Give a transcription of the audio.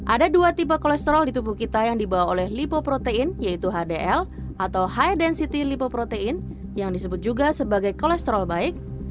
ada dua tipe kolesterol di tubuh kita yang dibawa oleh lipoprotein yaitu hdl atau high density lipoprotein yang disebut juga sebagai kolesterol baik